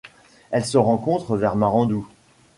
Elle se rencontre vers Marandoo.